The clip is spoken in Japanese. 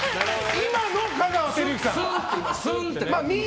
今の香川照之さん。